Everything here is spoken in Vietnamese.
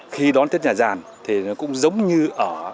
khi đón tết nhà giàn thì nó cũng giống như ở